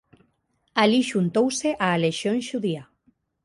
Alí xuntouse á Lexión Xudía.